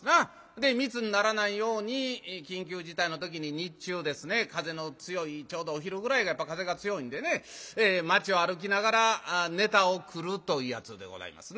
で密にならないように緊急事態の時に日中ですね風の強いちょうどお昼ぐらいがやっぱ風が強いんでね街を歩きながら「ネタを繰る」というやつでございますな。